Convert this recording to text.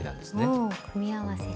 おお組み合わせ。